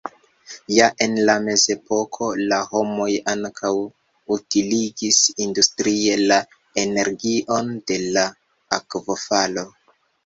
Ja en la mezepoko la homoj ankaŭ utiligis industrie la energion de la akvofalo.